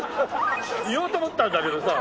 言おうと思ったんだけどさ。